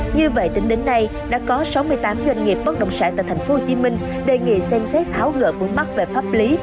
như vậy tính đến nay đã có sáu mươi tám doanh nghiệp bất động sản tại tp hcm đề nghị xem xét tháo gỡ vướng mắt về pháp lý